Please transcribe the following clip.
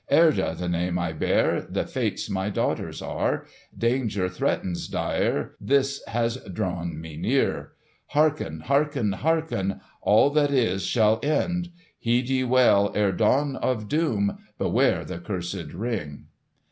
Erda the name I bear, The Fates my daughters are, Danger threatens dire, This has drawn me near; Hearken! hearken! hearken! All that is shall end. Heed ye well, ere dawn of doom,— Beware the cursed Ring!"